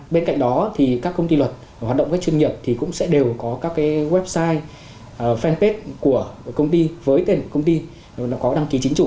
bên cạnh đó thì các công ty luật hoạt động với chuyên nghiệp thì cũng sẽ đều có các website fanpage của công ty với tên của công ty